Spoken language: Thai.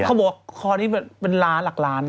เขาบอกว่านี่เป็นลักล้าน